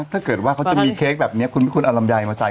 ถ้าเกิดว่าเขาจะมีเค้กแบบนี้คุณไม่ควรเอาลำไยมาใส่